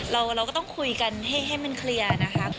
เราก็ต้องคุยกันให้มันเคลียร์นะคะ